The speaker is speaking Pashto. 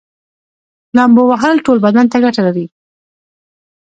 لامبو وهل ټول بدن ته ګټه لري